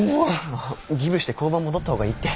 ギブして交番戻った方がいいって。